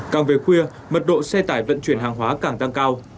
càng về khuya mật độ xe tải vận chuyển hàng hóa càng tăng cao